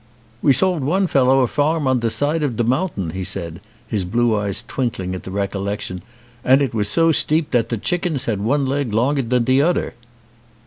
"We sold one fellow a farm on de side of a mountain," he said, his blue eyes twinkling at the recollection, "an' it was so steep dat de chickens had one leg longer dan de oder."